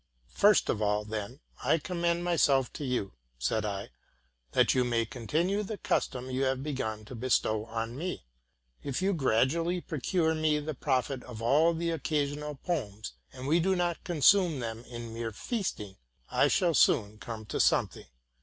'* First of all, then, I commend myself to you," said I, '* that you may continue the custom you have begun to bestow on me. If you gradually procure me the profit of all the occasional poems, and we do not consume them in mere feasting, I shall soon come to something.